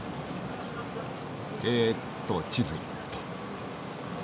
えっと地図っと。